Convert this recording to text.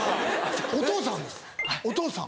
お父さんですお父さん。